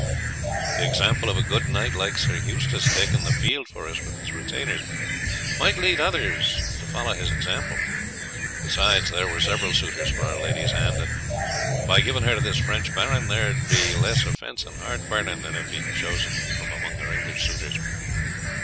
"The example of a good knight like Sir Eustace taking the field for us with his retainers might lead others to follow his example; besides, there were several suitors for our lady's hand, and, by giving her to this French baron, there would be less offence and heart burning than if he had chosen one among her English suitors.